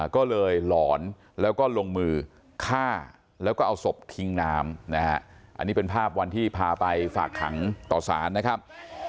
ก็เลยหลอนแล้วก็ลงมือฆ่าแล้วก็เอาศพทิ้งน้ำนะฮะอันนี้เป็นภาพวันที่พาไปฝากขังต่อสารนะครับ